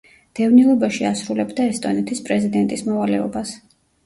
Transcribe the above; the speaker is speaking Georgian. დევნილობაში ასრულებდა ესტონეთის პრეზიდენტის მოვალეობას.